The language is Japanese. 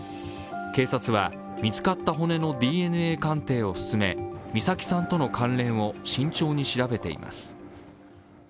警察は見つかった骨のＤＮＡ鑑定を進め、美咲さんとの関連を慎重に調べています。